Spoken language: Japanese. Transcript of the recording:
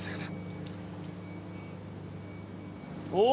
お！